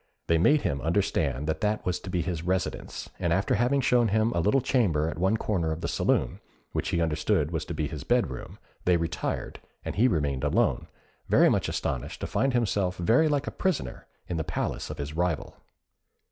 They made him understand that that was to be his residence, and after having shown him a little chamber at one corner of the saloon, which he understood was to be his bed room, they retired, and he remained alone, very much astonished to find himself something very like a prisoner in the palace of his rival.